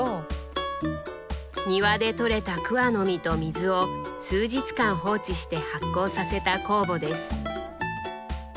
庭でとれた桑の実と水を数日間放置して発酵させた酵母です。